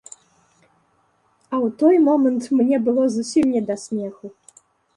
А ў той момант мне было зусім не да смеху.